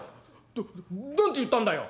な何て言ったんだよ！？」。